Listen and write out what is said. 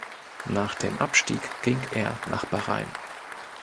Nach dem Abstieg ging er nach Bahrein.